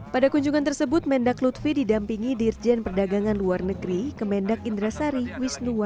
pada kunjungan tersebut mendak lutfi didampingi dirjen perdagangan luar negeri kemendak indrasari wisnuwa